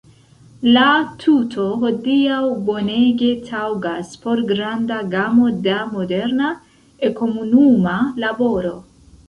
La tuto hodiaŭ bonege taŭgas por granda gamo da moderna enkomunuma laboro.